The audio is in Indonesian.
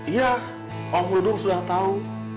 iya om dudung sudah tahu